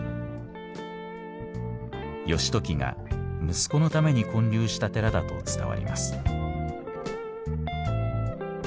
義時が息子のために建立した寺だと伝わります。